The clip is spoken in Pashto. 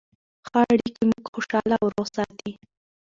ښه اړیکې موږ خوشحاله او روغ ساتي.